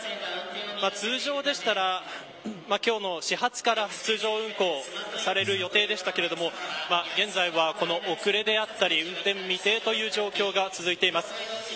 通常でしたら今日の始発から通常運行される予定でしたが今、現在はこの遅れや運転未定という状況が続いています。